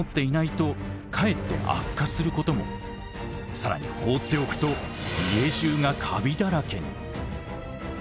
更に放っておくと家じゅうがカビだらけに。